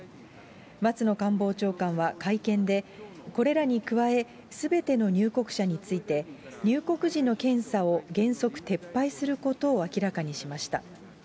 松野官房長官は、会見で、これらに加え、すべての入国者について、入国時の検査を原則撤廃することを明らかにしました。